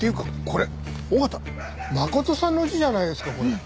これ「緒方」真琴さんの家じゃないですかこれ。